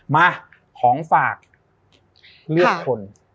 มาของฝากเลือกคน